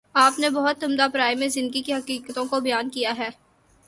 آپ نے بہت عمدہ پیراۓ میں زندگی کی حقیقتوں کو بیان کیا ہے۔